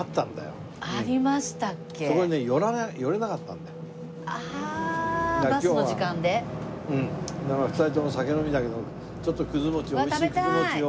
だから２人とも酒飲みだけどちょっと美味しいくず餅を。